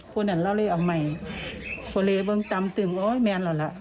พูดนั่นแล้วเลยเอาใหม่พอเลยมึงตามตึงโอ้ยแมนเหรอละ